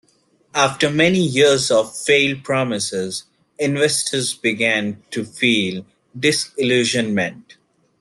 After many years of failed promises, investors began to feel disillusionment.